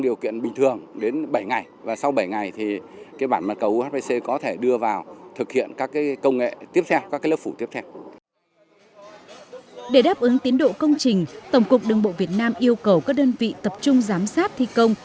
để đáp ứng tiến độ công trình tổng cục đường bộ việt nam yêu cầu các đơn vị tập trung giám sát thi công